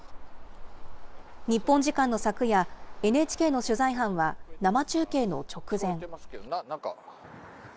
日本時間の昨夜、ＮＨＫの取材班は生中継の直前。